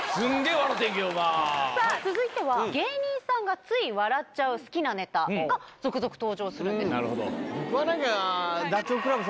さあ、続いては、芸人さんがつい笑っちゃう好きなネタが続々登場するんです。